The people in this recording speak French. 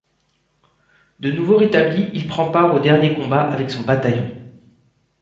De nouveau rétabli, il prend part aux derniers combats avec son bataillon.